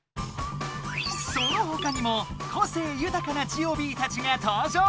そのほかにも個性ゆたかなジオビーたちが登場。